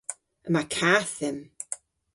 Yma kath dhymm.